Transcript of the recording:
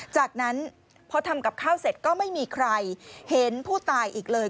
จากนั้นพอทำกับข้าวเสร็จก็ไม่มีใครเห็นผู้ตายอีกเลย